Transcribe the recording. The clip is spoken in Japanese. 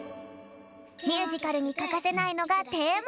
ミュージカルにかかせないのがテーマきょく。